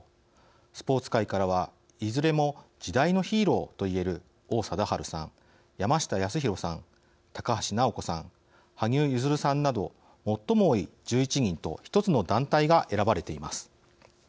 スポーツ界からはいずれも時代のヒーローと言える王貞治さん、山下泰裕さん高橋尚子さん羽生結弦さんなど、最も多い１１人と１つの団体が選ばれています。